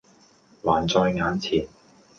還在眼前。